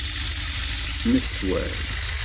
Metwal.